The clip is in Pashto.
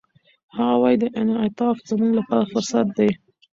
هغه وايي، انعطاف زموږ لپاره فرصت دی.